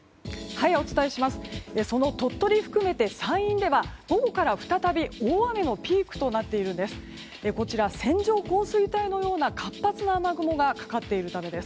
その鳥取を含めて山陰では午後から再び大雨のピークとなっているんです。